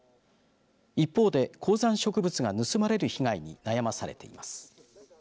一方で、高山植物が盗まれる被害に悩まされています。